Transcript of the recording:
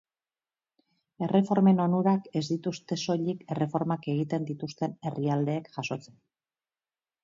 Erreformen onurak ez dituzte soilik erreformak egiten dituzten herrialdeek jasotzen.